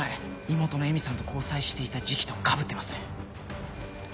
妹の恵美さんと交際していた時期とかぶってますね。